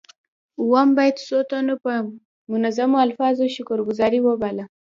اووم بیت څو تنو په منظومو الفاظو شکر ګذاري وباله.